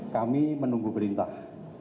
kami menunggu perintah